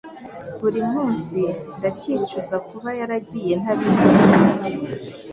buri munsi ndabyicuza kuba yaragiye ntabivuze